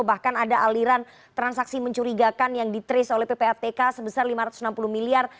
bahkan ada aliran transaksi mencurigakan yang di trace oleh ppatk sebesar lima ratus enam puluh miliar